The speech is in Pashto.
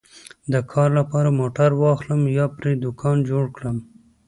د کار لپاره موټر واخلم یا پرې دوکان جوړ کړم